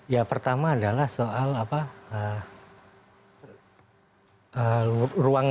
ya pertama adalah soal ruang